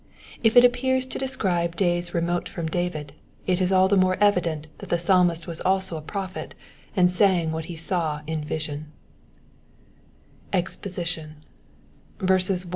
IfU appears to describe days re mote from David, it is aU the more evident that Uie Psalmist was also a prophet, ana sang uihai he saw in vision, EXPOSITION.